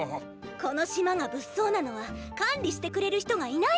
この島が物騒なのは管理してくれる人がいないからです。